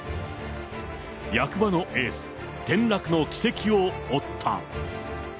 役場のエース、転落の軌跡を追った。